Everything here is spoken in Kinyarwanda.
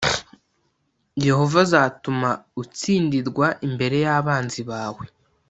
Yehova azatuma utsindirwa imbere y’abanzi bawe.